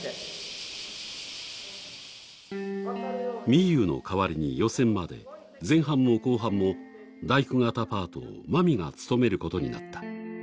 みゆうの代わりに予選まで、前半も後半も大工方パートをまみが務めることになった。